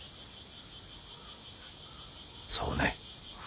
そうね。